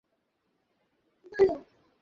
এখানকার পূর্ব নাম ছিলো লোহানী।